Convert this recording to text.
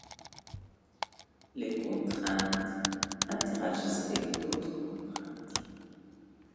Les contraintes interagissent avec d’autres contraintes.